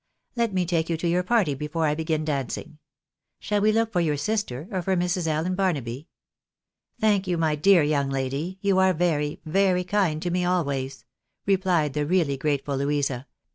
Let me take you to your party before I begin dancing. Shall we look for your sister, or for Mrs. Allen Barnaby ?"" Thank you, my dear young lady ! You are very — very kind to me — always," replied the really grateful Louisa.